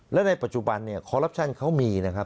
และในปัจจุบันเนี่ยคอรัปชั่นเขามีนะครับ